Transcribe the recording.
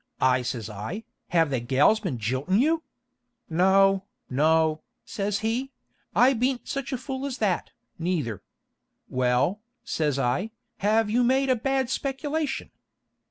I says I, 'have the gals been jiltin' you?' 'No, no,' says he; 'I beant such a fool as that, neither.' 'Well,' says I, 'have you made a bad speculation?'